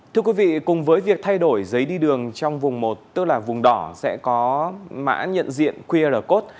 thưa quý vị cùng với việc thay đổi giấy đi đường trong vùng một tức là vùng đỏ sẽ có mã nhận diện qr code